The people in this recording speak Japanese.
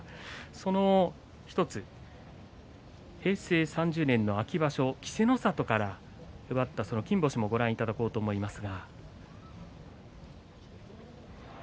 その１つ平成３０年の秋場所稀勢の里から奪った金星もご覧いただこうと思います。